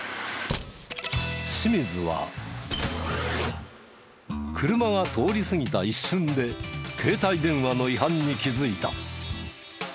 清水は車が通り過ぎた一瞬で携帯電話の違反に気づいた。